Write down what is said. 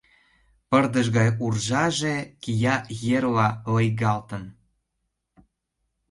Пырдыж гай уржаже кия ерла лыйгалтын.